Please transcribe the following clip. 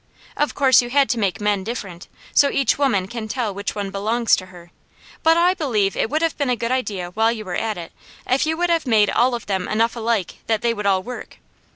Of course You had to make men different, so each woman can tell which one belongs to her; but I believe it would have been a good idea while You were at it, if You would have made all of them enough alike that they would all work.